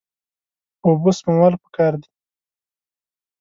اوبه سپمول پکار دي.